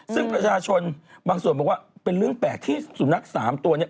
ซึ่งประชาชนบางส่วนบอกว่าเป็นเรื่องแปลกที่สุนัข๓ตัวเนี่ย